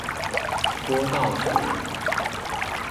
郭道甫人。